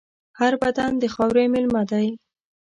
هر بدن د خاورې مېلمه دی.